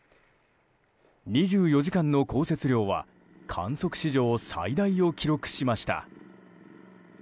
２４時間の降雪量は観測史上最大を記録しました。